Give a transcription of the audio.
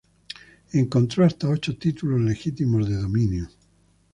Encontró hasta ocho títulos legítimos de dominio.